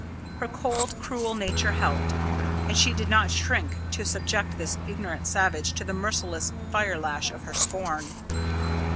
Her cold, cruel nature helped, and she did not shrink to subject this ignorant savage to the merciless fire lash of her scorn.